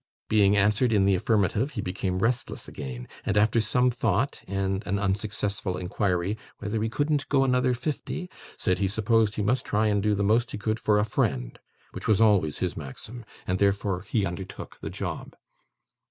Being answered in the affirmative, he became restless again, and, after some thought, and an unsuccessful inquiry 'whether he couldn't go another fifty,' said he supposed he must try and do the most he could for a friend: which was always his maxim, and therefore he undertook the job.